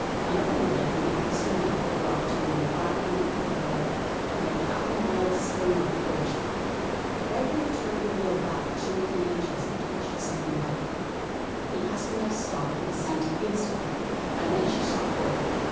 Another minute and the Astronef had dropped to within five hundred feet of the water, and about half a mile astern of the Deutschland. Redgrave turned the wheel back two or three inches and touched a second button. The Astronef stopped her descent instantly, and then she shot forward.